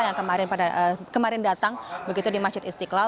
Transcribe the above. yang kemarin datang begitu di masjid istiqlal